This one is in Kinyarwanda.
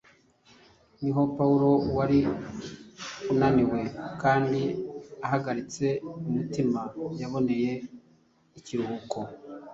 niho Pawulo wari unaniwe kandi ahagaritse umutima yaboneye ikiruhuko.